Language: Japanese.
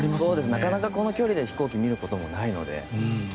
なかなかこの距離で飛行機を見ることもないので。